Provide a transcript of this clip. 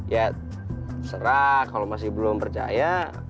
ya serah kalau masih belum percaya